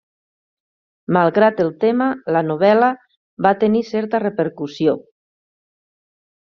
Malgrat el tema, la novel·la va tenir certa repercussió.